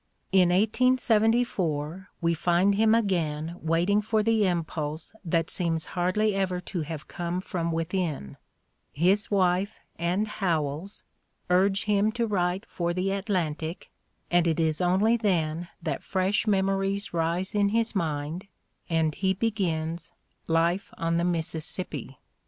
In 1874 we find him again waiting for the impulse that seems hardly ever to have come from within: his wife and Howells urge him to •write for the Atlantic and it is only then that fresh memories rise in his mind and he begins "Life on the Mississippi."